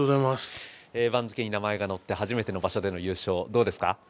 番付に名前が載って初めての場所での優勝どうですか？